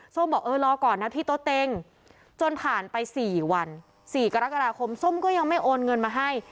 บอกเออรอก่อนนะที่โต๊ะเต็งจนผ่านไป๔วัน๔กรกฎาคมส้มก็ยังไม่โอนเงินมาให้